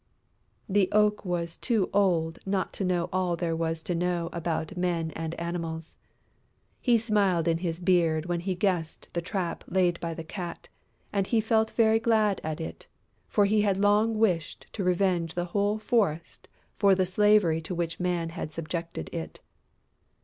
The Oak was too old not to know all there was to know about Men and Animals. He smiled in his beard when he guessed the trap laid by the Cat and he felt very glad at it, for he had long wished to revenge the whole forest for the slavery to which Man had subjected it.